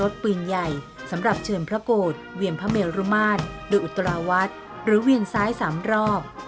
สำหรับเชิญพระโกฎเวียนพระเมรุมาตรหรืออุตราวัฒน์หรือเวียนซ้ายสามรอบ